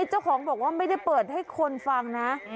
เจ้าของบอกว่าไม่ได้เปิดให้คนฟังนะ